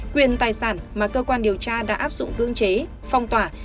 quyền tài sản mà cơ quan điều tra đã áp dụng cưỡng chế phong tỏa